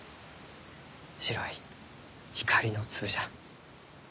白い光の粒じゃ。